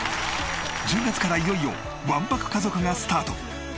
１０月からいよいよ『１泊家族』がスタート。